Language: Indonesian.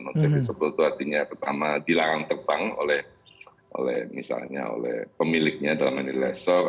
non serviceable itu artinya pertama dilarang terbang oleh misalnya oleh pemiliknya dalam hal ini laser